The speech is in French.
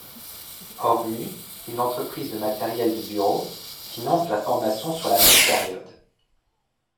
Ormu, une entreprise de matériel de bureaux, finance la formation sur la même période.